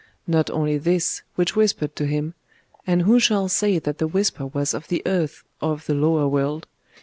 Not only this, which whispered to him and who shall say that the whisper was of the earth, or of the lower world?